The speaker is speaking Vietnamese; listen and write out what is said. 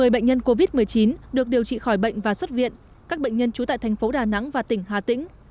một mươi bệnh nhân covid một mươi chín được điều trị khỏi bệnh và xuất viện các bệnh nhân trú tại thành phố đà nẵng và tỉnh hà tĩnh